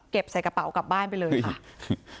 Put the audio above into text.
ใส่กระเป๋ากลับบ้านไปเลยค่ะ